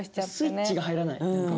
スイッチが入らない何か。